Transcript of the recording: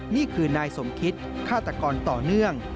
นี่คือนายสมคิตฆาตกรต่อเนื่อง